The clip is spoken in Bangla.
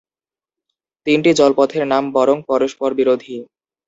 তিনটি জলপথের নাম বরং পরস্পরবিরোধী।